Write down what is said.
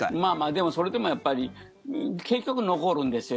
でも、それでもやっぱり結局残るんですよ